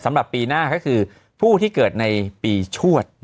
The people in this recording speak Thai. สำหรับปีหน้าก็คือผู้ที่เกิดในปีชวด